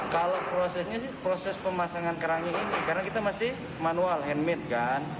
kalau prosesnya sih proses pemasangan kerangnya ini karena kita masih manual handmade kan